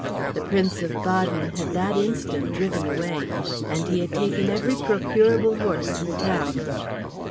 The Prince of Baden had that instant driven away, and he had taken every procurable horse in the town.